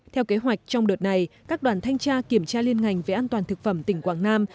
theo kế hoạch trong đợt này các đoàn thanh tra kiểm tra liên ngành về an toàn thực phẩm tỉnh quảng nam